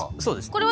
そうです。